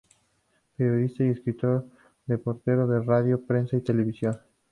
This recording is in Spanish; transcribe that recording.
Periodista y escritor, reportero de radio, prensa y televisión.